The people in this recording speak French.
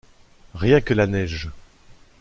Rien que la neige.